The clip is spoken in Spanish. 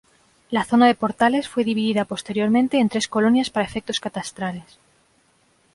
La zona de Portales fue dividida posteriormente en tres colonias para efectos catastrales.